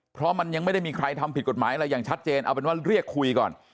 เพราะมันยังไม่ได้มีใครทำผิดกฎหมายอะไรอย่างชัดเจนเอาเป็นว่าเรียกคุยก่อน